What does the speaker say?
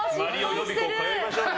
予備校通いましょうね。